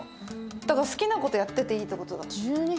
だから好きな事やってていいって事だ。